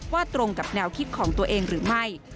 ตรงกับแนวคิดของตัวเองหรือไม่